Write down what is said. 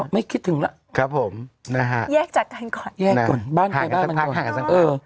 ไม่คิดถึงแล้วแยกจัดกันก่อนห่างกันซักพักห่างกันซักพักห่างกันซักพัก